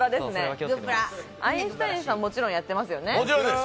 アインシュタインさん、もちろんやってますよね？